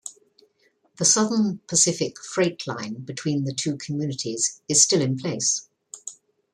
The Southern Pacific freight line between the two communities is still in place.